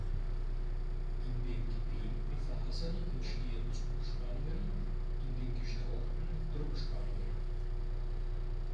In den gedehnten Fasern entstehen Zugspannungen, in den gestauchten Druckspannungen.